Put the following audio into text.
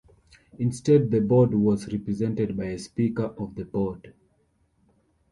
Instead the board was represented by a "speaker of the board".